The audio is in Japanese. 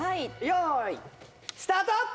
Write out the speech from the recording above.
よーいスタート！